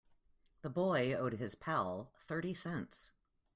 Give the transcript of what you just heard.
The boy owed his pal thirty cents.